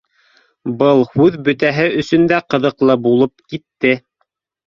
Был һүҙ бөтәһе өсөн дә ҡыҙыҡлы булып китте